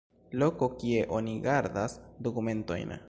Loko kie oni gardas dokumentojn.